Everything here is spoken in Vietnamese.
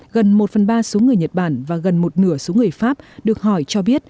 gần một phần ba số người nhật bản và gần một nửa số người pháp được hỏi cho biết